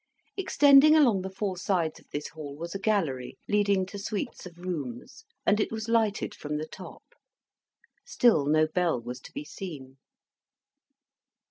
Extending along the four sides of this hall was a gallery, leading to suites of rooms; and it was lighted from the top. Still no bell was to be seen.